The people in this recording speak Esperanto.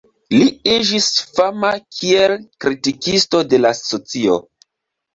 Li iĝis fama kiel kritikisto de la socio.